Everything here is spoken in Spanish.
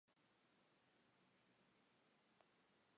Seis reuniones tienen lugar cada temporada.